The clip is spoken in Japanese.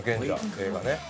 映画ね。